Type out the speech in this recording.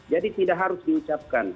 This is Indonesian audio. jadi tidak harus diucapkan